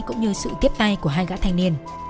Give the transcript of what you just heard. cũng như sự tiếp tay của hai gã thanh niên